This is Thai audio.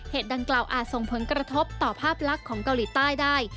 ดังกล่าวอาจส่งผลกระทบต่อภาพลักษณ์ของเกาหลีใต้ได้